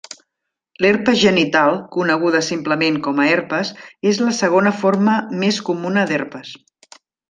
L'herpes genital, coneguda simplement com a herpes, és la segona forma més comuna d'herpes.